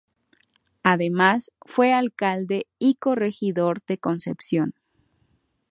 Además, fue alcalde y corregidor de Concepción.